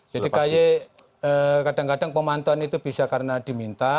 jadi ky kadang kadang pemantauan itu bisa karena diminta